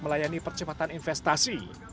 melayani percepatan investasi